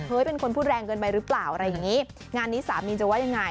เป็นคนพูดแรงเกินไปหรือเปล่าอะไรอย่างนี้งานนี้สามีจะว่ายังไง